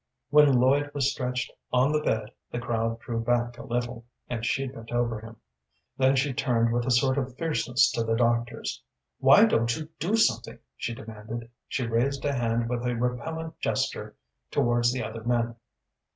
When Lloyd was stretched on the bed, the crowd drew back a little, and she bent over him. Then she turned with a sort of fierceness to the doctors. "Why don't you do something?" she demanded. She raised a hand with a repellant gesture towards the other men.